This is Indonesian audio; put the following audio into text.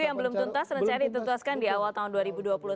itu yang belum tuntaskan di awal tahun dua ribu dua puluh